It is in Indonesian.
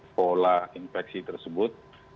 pola infeksi tersebut